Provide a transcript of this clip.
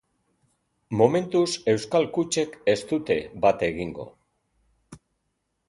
Momentuz euskal kutxek ez dute bat egingo.